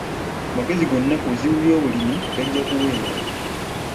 Amagezi gonna ku bizibu by'obulimi gajja kuweebwa.